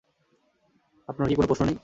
আপনার কী কোনো প্রশ্ন নেই?